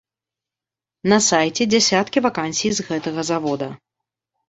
На сайце дзясяткі вакансій з гэтага завода.